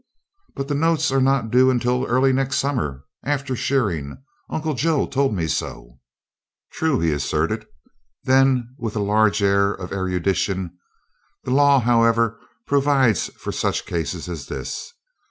"But the notes are not due until early next summer after shearing. Uncle Joe told me so." "True," he assented. Then with a large air of erudition: "The law, however, provides for such cases as this.